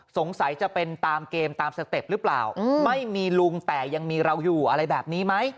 จะเป็นตามเกมตามสเต็ปหรือเปล่าไม่มีลุงแต่ยังมีเราอยู่อะไรแบบนี้ไหม